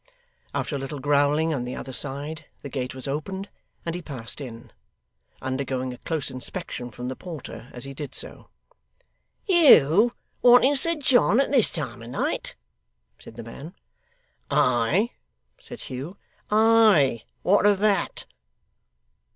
After a little growling on the other side, the gate was opened, and he passed in: undergoing a close inspection from the porter as he did so. 'YOU wanting Sir John, at this time of night!' said the man. 'Ay!' said Hugh. 'I! What of that?